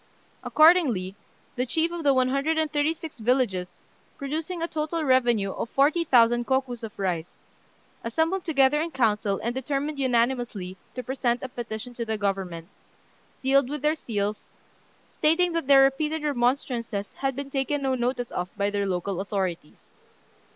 Accordingly, the chiefs of the one hundred and thirty six villages, producing a total revenue of 40,000 kokus of rice, assembled together in council and determined unanimously to present a petition to the Government, sealed with their seals, stating that their repeated remonstrances had been taken no notice of by their local authorities.